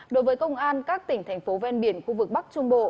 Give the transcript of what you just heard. đối với công an các tỉnh thành phố ven biển khu vực bắc trung bộ